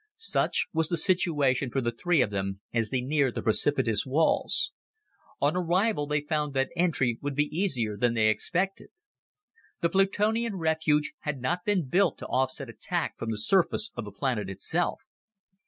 Such was the situation for the three of them as they neared the precipitous walls. On arrival, they found that entry would be easier than they expected. The Plutonian refuge had not been built to offset attack from the surface of the planet itself.